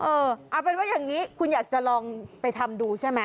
เออเอาเป็นว่าอย่างนี้คุณอยากจะลองไปทำดูใช่ไหม